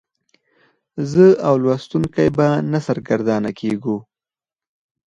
زه او لوستونکی به نه سرګردانه کیږو.